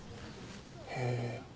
へえ。